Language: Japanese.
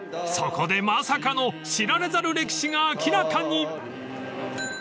［そこでまさかの知られざる歴史が明らかに！］